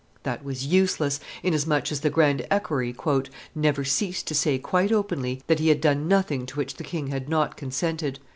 That was useless, inasmuch as the grand equerry "never ceased to say quite openly that he had done nothing to which the king had not consented."